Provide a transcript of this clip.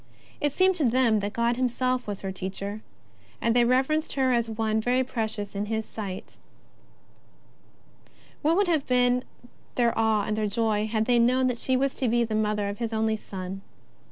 It seemed to them that God Himself was her Teacher, and they reverenced her as one very precious in His sight. What would have been their awe and their joy had they known that she was to be the Mother of His only Son !